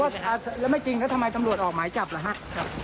โทษครับครับครับครับครับครับครับครับครับ